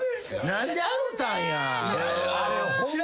何で洗うたんや！